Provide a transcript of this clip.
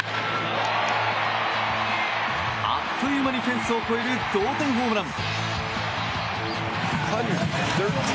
あっという間にフェンスを越える同点ホームラン！